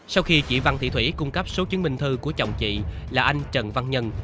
sau khi chị văn thị thủy cung cấp số chứng minh thư của chồng chị là anh trần văn nhân